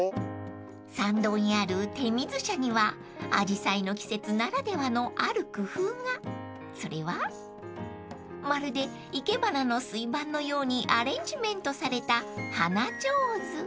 舎にはあじさいの季節ならではのある工夫がそれはまるで生け花の水盤のようにアレンジメントされた］